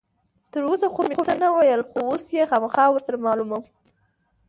تر اوسه خو مې څه نه ویل، خو اوس یې خامخا ور سره معلوموم.